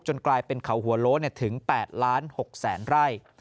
จนกลายเป็นเขาหัวโล้ถึง๘ล้าน๖แสนไร่